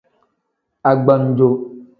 Agbannjo.